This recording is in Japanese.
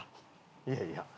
いやいや。